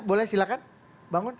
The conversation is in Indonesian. boleh silahkan bangun